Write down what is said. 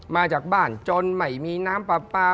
มาจากบ้านจนไม่มีน้ำปลา